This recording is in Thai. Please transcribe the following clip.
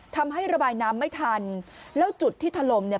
ทำให้ระบายน้ำไม่ทันแล้วจุดที่ถล่มเนี่ย